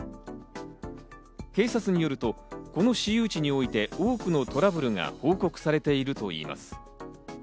警察によると、この私有地において、多くのトラブルが報告されているといいます。